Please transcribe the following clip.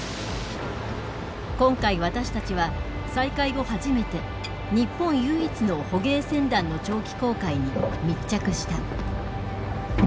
今回私たちは再開後初めて日本唯一の捕鯨船団の長期航海に密着した。